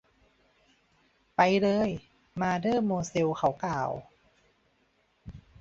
ไปเลยมาเดอโมแซล เขากล่าว